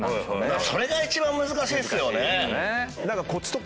それが一番難しいっすよね。